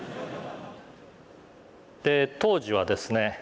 で当時はですね